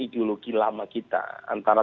ideologi lama kita antara